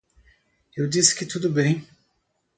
Eu disse que tudo bem.